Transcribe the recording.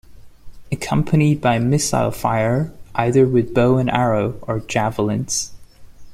Accompanied by missile fire, either with bow and arrow or javelins.